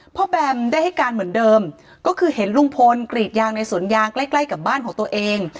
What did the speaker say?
แบมได้ให้การเหมือนเดิมก็คือเห็นลุงพลกรีดยางในสวนยางใกล้ใกล้กับบ้านของตัวเอง